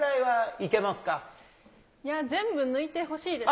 いや、全部抜いてほしいです